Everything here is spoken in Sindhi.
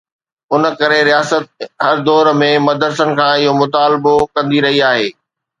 ان ڪري رياست هر دور ۾ مدرسن کان اهو مطالبو ڪندي رهي آهي.